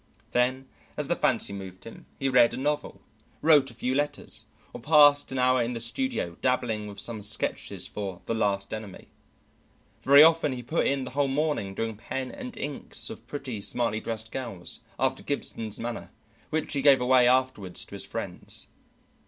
Then, as the fancy moved him, he read a novel, wrote a few letters, or passed an hour in the studio dabbling with some sketches for the "Last Enemy." Very often he put in the whole morning doing pen and inks of pretty, smartly dressed girls, after Gibson's manner, which he gave away afterward to his friends.